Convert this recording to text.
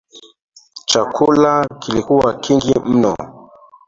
Chakula kilikuwa kingi mno